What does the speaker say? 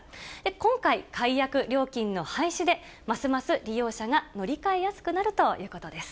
今回、解約料金の廃止で、ますます利用者が乗り換えやすくなるということです。